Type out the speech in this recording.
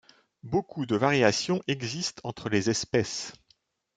Beaucoup de variation existent entre les espèces.